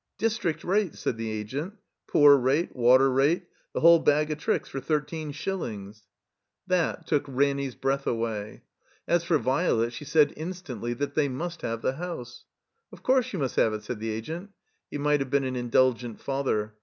"District rate," said the Agent, "poor rate, water rate, the whole bag of tricks for thirteen shil lings." 13a THE COMBINED MAZE That took Ranny's breath away. As for Vio let, she said instantly that they must have the house. Qf course you must 'ave it," said the Agent. He might have been an indulgent father.